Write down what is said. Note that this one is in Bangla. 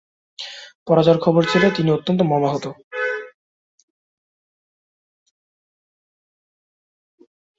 পরাজয়ের খবরে তিনি ছিলেন অত্যন্ত মর্মাহত।